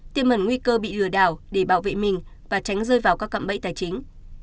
tiêm mẩn nguy cơ bị lừa đảo để bảo vệ mình và tránh rơi vào các cặm bẫy tài chính